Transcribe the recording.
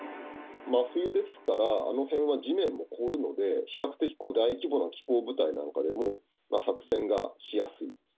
真冬ですから、あの辺は地面も凍るので、比較的大規模な機甲部隊なんかでも作戦がしやすい。